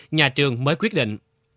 nhà trường mới quyết định